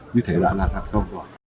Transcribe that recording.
như thế là là tạp thông